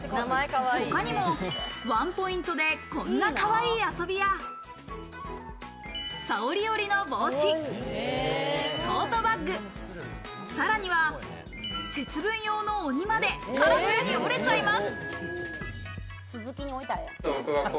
他にもワンポイントでこんなかわいい遊びや、さをり織りの帽子、トートバッグ、さらには節分用の鬼までカラフルに織れちゃいます。